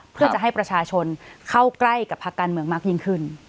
เพื่อจะให้ประชาชนเข้าใกล้กับภาคการเมืองมากยิ่งขึ้น